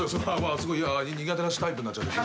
すごい苦手なタイプになっちゃった。